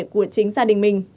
của chính gia đình mình